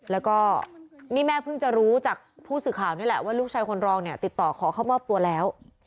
แล้วก็นี่แม่เพิ่งจะรู้จากผู้สื่อข่าวนี่แหละว่าลูกชายคนรองเนี่ยติดต่อขอเข้ามอบตัวแล้ว